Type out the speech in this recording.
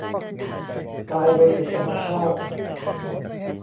ตายโดยผิดธรรมชาติ